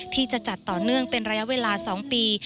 ที่จะจัดต่อเนื่องเป็นระยะเวลา๒ปี